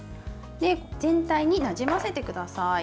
全体になじませてください。